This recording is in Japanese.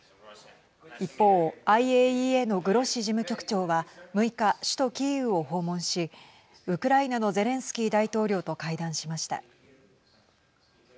一方、ＩＡＥＡのグロッシ事務局長は６日首都キーウを訪問しウクライナのゼレンスキー大統領と会談しました。